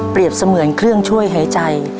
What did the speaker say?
เปรียบเสมือนเครื่องช่วยหายใจ